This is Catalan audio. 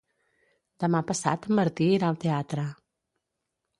Demà passat en Martí irà al teatre.